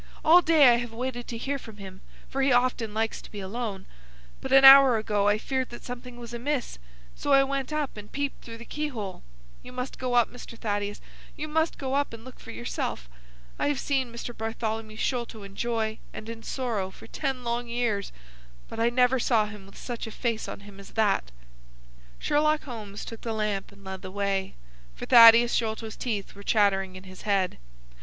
"All day I have waited to hear from him, for he often likes to be alone; but an hour ago I feared that something was amiss, so I went up and peeped through the key hole. You must go up, Mr. Thaddeus,—you must go up and look for yourself. I have seen Mr. Bartholomew Sholto in joy and in sorrow for ten long years, but I never saw him with such a face on him as that." Sherlock Holmes took the lamp and led the way, for Thaddeus Sholto's teeth were chattering in his head.